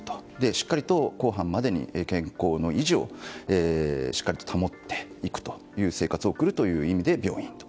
しっかり公判までに健康の維持を保っていくという生活を送るという意味で病院と。